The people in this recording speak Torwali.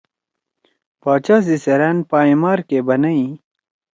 باچا سی سیرأن پائں مار کے بنئی: